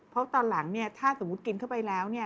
เพราะตอนหลังเนี่ยถ้าสมมุติกินเข้าไปแล้ว